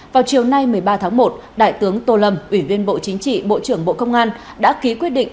vào chiều nay một mươi ba tháng một đại tướng tô lâm ủy viên bộ chính trị bộ trưởng bộ công an đã ký quyết định